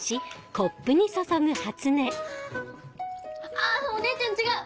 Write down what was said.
あっお姉ちゃん違う！